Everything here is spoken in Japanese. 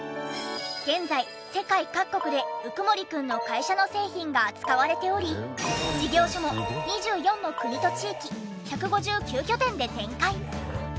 現在世界各国で鵜久森くんの会社の製品が扱われており事業所も２４の国と地域１５９拠点で展開。